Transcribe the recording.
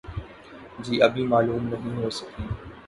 جہ ابھی معلوم نہیں ہو سکی